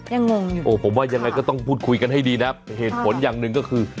งงอยู่โอ้ผมว่ายังไงก็ต้องพูดคุยกันให้ดีนะเหตุผลอย่างหนึ่งก็คือ